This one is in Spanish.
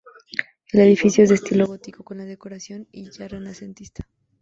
El edificio es de estilo gótico con la decoración ya renacentista.